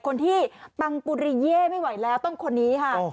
คนที่ปังปุริเย่ไม่ไหวแล้วต้องคนนี้ค่ะ